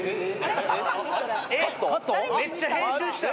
めっちゃ編集した。